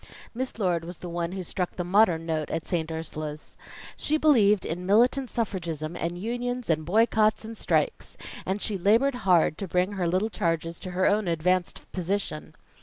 Miss Lord was the one who struck the modern note at St. Ursula's. She believed in militant suffragism and unions and boycotts and strikes; and she labored hard to bring her little charges to her own advanced position.